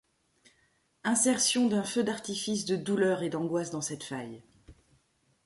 Insertion d'un feu d'artifice de douleur et d'angoisse dans cette faille.